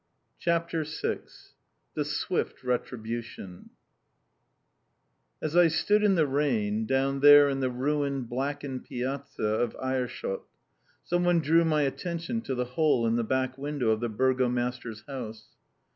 CHAPTER VI THE SWIFT RETRIBUTION As I stood in the rain, down there in the ruined blackened piazza of Aerschot, someone drew my attention to the hole in the back window of the Burgomaster's house.